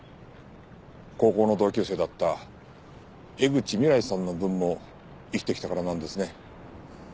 高校の同級生だった江口未来さんの分も生きてきたからなんですね。